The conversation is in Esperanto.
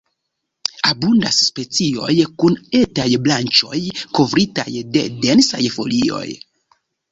Abundas specioj kun etaj branĉoj kovritaj de densaj folioj.